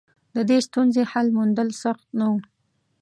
د دې ستونزې حل موندل سخت نه و.